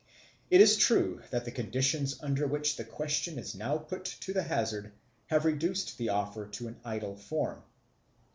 It is true that the conditions under which the question is now put to the hazard have reduced the offer to an idle form.